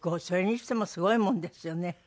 それにしてもすごいもんですよね。